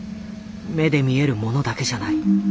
目で見えるものだけじゃない。